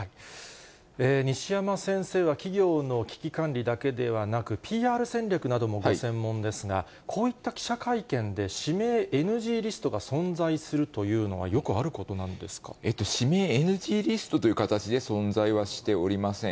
西山先生は企業の危機管理だけではなく、ＰＲ戦略などもご専門ですが、こういった記者会見で指名ＮＧリストが存在するというのは、指名ＮＧリストという形で存在はしておりません。